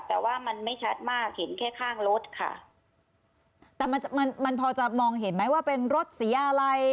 แต่ว่ามันไม่ชัดมากเห็นแค่ข้างรถค่ะแต่มันมันพอจะมองเห็นไหมว่าเป็นรถสีอะไร